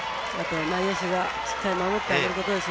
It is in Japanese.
内野手がしっかり守ってあげることです